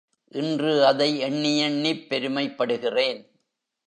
இன்று அதை எண்ணியெண்ணிப் பெருமைப்படுகிறேன்.